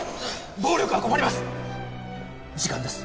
暴力は困ります！